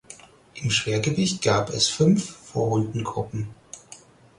Im Schwergewicht gab es fünf Vorrundengruppen.